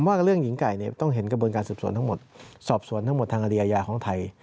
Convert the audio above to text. ว่าเรื่องหญิงไก่เนี่ยต้องเห็นกระบวนการสืบสวนทั้งหมดสอบสวนทั้งหมดทางคดีอาญาของไทย